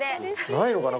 ないのかな？